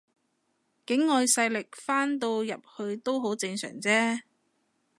境外勢力翻到入去都好正常啫